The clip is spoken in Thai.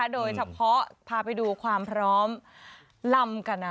โดยแช่เพราะพาไปดูความพร้อมรำกั้นอ่ะ